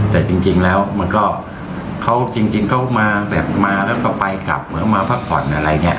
แต่จริงแล้วมันก็เขาจริงเขามาแบบมาแล้วก็ไปกลับเหมือนมาพักผ่อนอะไรเนี่ย